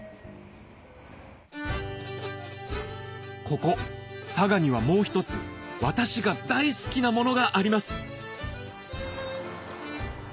ここ佐賀にはもう一つ私が大好きなものがあります